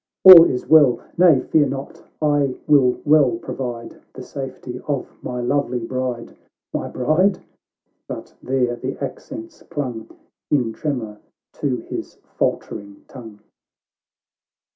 — all is well Nay, fear not — I will well provide The safety of my lovely bride — My bride?"— but there the accents clung In tremor to his faltering tongue.